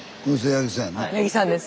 八木さんです。